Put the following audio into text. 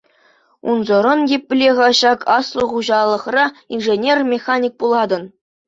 Унсӑрӑн епле-ха ҫак аслӑ хуҫалӑхра инженер-механик пулатӑн?